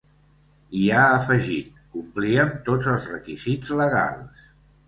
I ha afegit: Complíem tots els requisits legals.